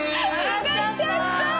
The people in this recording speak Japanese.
あがっちゃった。